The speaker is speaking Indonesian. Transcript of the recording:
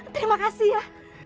terima kasih ya